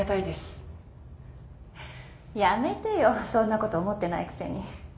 やめてよそんなこと思ってないくせに。